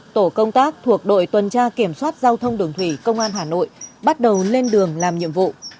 tổ công tác thuộc đội tuần tra kiểm soát giao thông đường thủy công an hà nội bắt đầu lên đường làm nhiệm vụ